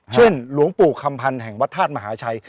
หลวงปู่คำพันธ์แห่งวัดธาตุมหาชัย